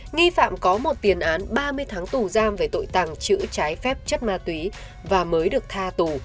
nghi phạm có một tiền án ba mươi tháng tù giam về tội tàng trữ trái phép chất ma túy và mới được tha tù